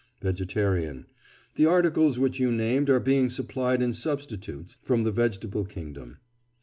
VEGETARIAN: The articles which you named are being supplied in substitutes from the vegetable kingdom.